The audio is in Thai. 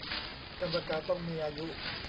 กรรมการต้องมีอายุ